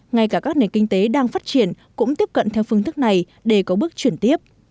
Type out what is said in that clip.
ngay cả các nền kinh tế đang phát triển cũng tiếp cận theo phương thức này để có bước chuyển tiếp